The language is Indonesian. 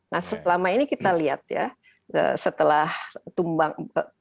nah selama ini kita lihat ya setelah tumbang